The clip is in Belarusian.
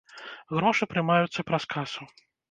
Грошы прымаюцца праз касу.